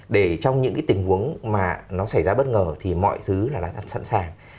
để trong những cái tình huống mà nó xảy ra bất ngờ thì mọi thứ là đã sẵn sàng